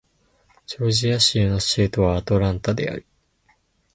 ジョージア州の州都はアトランタである